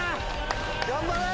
頑張れ！